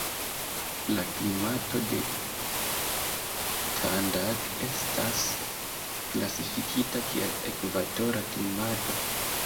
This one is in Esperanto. La klimato de Tandag estas klasifikita kiel ekvatora klimato.